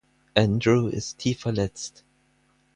Andrew ist tief verletzt.